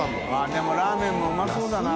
でもラーメンもうまそうだな。